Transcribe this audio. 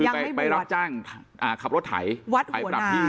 คือไปรับจ้างขับรถไถวัดหัวนาไปปรับที่